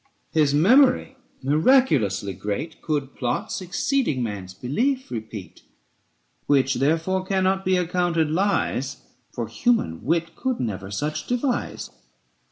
His memory, miraculously great, 650 Gould plots exceeding man's belief repeat ; Which therefore cannot be accounted lies, For human wit could never such devise.